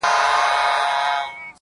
نور به نه اورې ژړا د ماشومانو،